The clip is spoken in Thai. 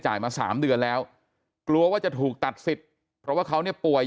มา๓เดือนแล้วกลัวว่าจะถูกตัดสิทธิ์เพราะว่าเขาเนี่ยป่วย